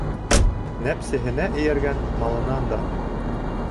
Нәпсеһенә эйәргән малынан да